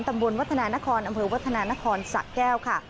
วัฒนานครอำเภอวัฒนานครสะแก้วค่ะ